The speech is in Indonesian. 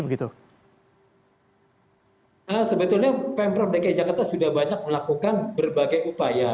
sebetulnya pemprov dki jakarta sudah banyak melakukan berbagai upaya